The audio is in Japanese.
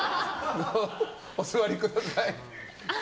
お座りください。